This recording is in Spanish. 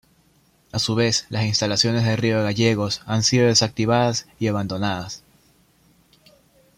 A su vez, las instalaciones de Río Gallegos han sido desactivadas y abandonadas.